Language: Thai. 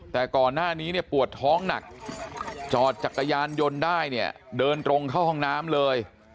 แต่ก่อนหน้านี้เนี่ยปวดท้องหนักจอดจักรยานยนต์ได้เนี่ยเดินตรงเข้าห้องน้ำเลย